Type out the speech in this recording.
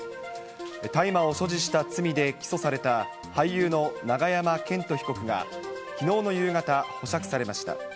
大麻を所持した罪で起訴された俳優の永山絢斗被告が、きのうの夕方、保釈されました。